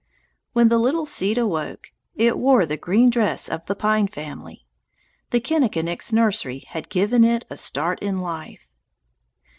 When the little seed awoke, it wore the green dress of the pine family. The kinnikinick's nursery had given it a start in life.